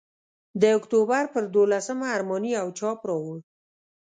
د اکتوبر پر دوولسمه ارماني یو چاپ راوړ.